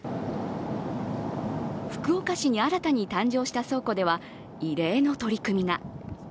福岡市に新たに誕生した倉庫では異例の取り組みが。